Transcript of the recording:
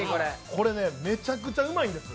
これね、めちゃくちゃうまいんです。